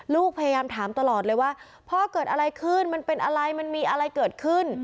ลูกพยายามถามตลอดเลยว่าพ่อเกิดอะไรขึ้นมันเป็นอะไรมันมีอะไรเกิดขึ้น